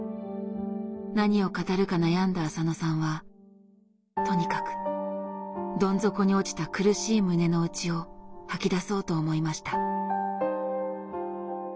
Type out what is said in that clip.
何を語るか悩んだ浅野さんはとにかくどん底に落ちた苦しい胸の内を吐き出そうと思いました。